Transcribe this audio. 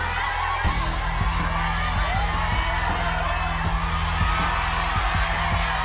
สองสามสี่ห้าสี่สิบ